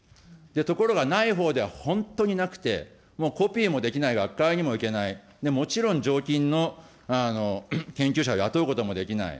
ところがないほうでは本当になくて、もうコピーもできない、学会にも行けない、もちろん、常勤の研究者を雇うこともできない。